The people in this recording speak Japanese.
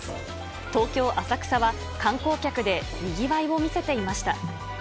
東京・浅草は、観光客でにぎわいを見せていました。